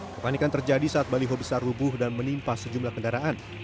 kepanikan terjadi saat baliho besar rubuh dan menimpa sejumlah kendaraan